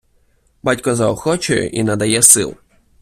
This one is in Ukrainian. Батько заохочує і надає сил.